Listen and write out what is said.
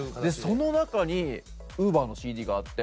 その中にＵＶＥＲのＣＤがあって。